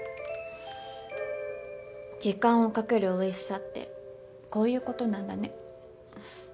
時間をかけるおいしさってこういう事なんだね。